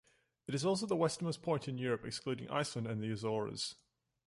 It is also the westernmost point in Europe excluding Iceland and the Azores.